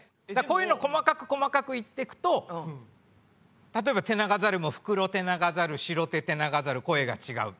こういうのを細かく細かく言ってくと例えばテナガザルもフクロテナガザルシロテテナガザル声が違う。